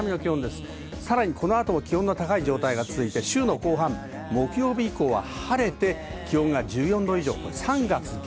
この後、気温の高い状態が続いて週の後半、木曜日以降は晴れて気温が１４度以上。